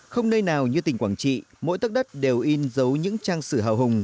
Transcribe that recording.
không nơi nào như tỉnh quảng trị mỗi tất đất đều in dấu những trang sử hào hùng